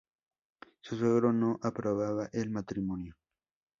Su suegro no aprobaba el matrimonio.